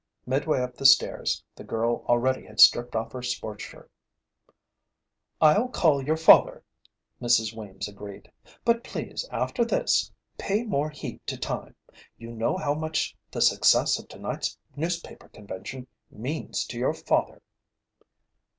Midway up the stairs, the girl already had stripped off her sports shirt. "I'll call your father," Mrs. Weems agreed, "but please, after this, pay more heed to time. You know how much the success of tonight's newspaper convention means to your father."